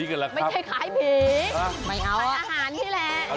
ไม่เอาอ่ะขายอาหารนี่แหละ